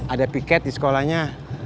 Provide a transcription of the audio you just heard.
ada piket di sekolahnya